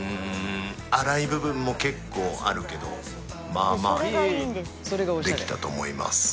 荒い部分も結構あるけどまあまあできたと思います。